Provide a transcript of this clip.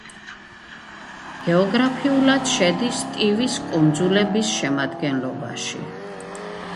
გეოგრაფიულად შედის ტივის კუნძულების შემადგენლობაში.